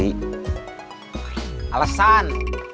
iya baik macam